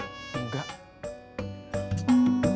tidak ada yang bisa diberikan